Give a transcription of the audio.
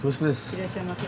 ・いらっしゃいませ。